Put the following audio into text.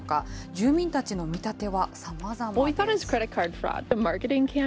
住民たちの見立てはさまざまです。